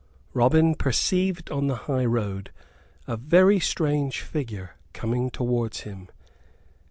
Robin perceived upon the highroad a very strange figure coming towards him.